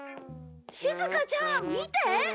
しずかちゃん見て！